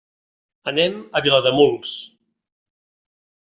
Anem a Vilademuls.